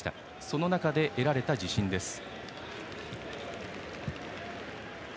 その中で得られた自信です。